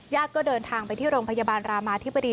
ก็เดินทางไปที่โรงพยาบาลรามาธิบดี